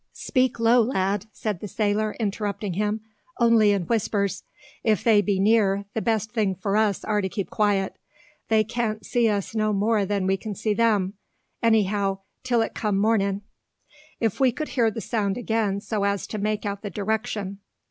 "Speak low, lad!" said the sailor, interrupting him, "only in whispers. If they be near, the best thing for us are to keep quiet. They can't see us no more than we can them; anyhow, till it come mornin'. If we could hear the sound again so as to make out the direction.